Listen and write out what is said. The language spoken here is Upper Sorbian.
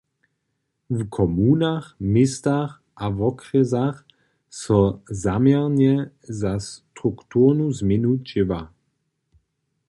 W komunach, městach a wokrjesach so zaměrnje za strukturnu změnu dźěła.